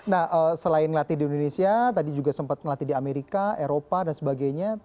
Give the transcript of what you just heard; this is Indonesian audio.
nah selain latih di indonesia tadi juga sempat melatih di amerika eropa dan sebagainya